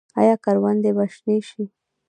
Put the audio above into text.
آیا کروندې به شنې شي؟